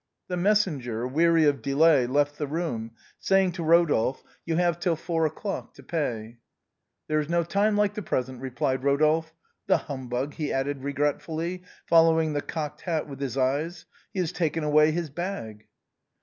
The messenger, weary of delay, left the room, saying to Rodolphe, " You have till four o'clock to pay." " There is no time like the present," replied Rodolphe. " The humbug," he added regretfully, following the cocked hat with his eyes, " he has taken away his bag."